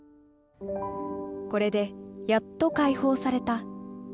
これでやっと開放された。